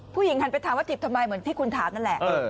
หันไปถามว่าจีบทำไมเหมือนที่คุณถามนั่นแหละ